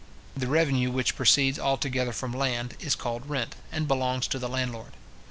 The revenue which proceeds altogether from land, is called rent, and belongs to the landlord.